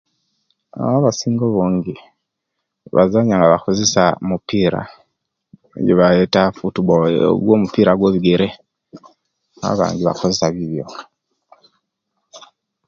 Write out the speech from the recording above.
Aah abasinga obungi bazanya nga bakozesya mopira ejebayeta football ogwo'mopira ogwe'bigere abandi bakozesya bibyo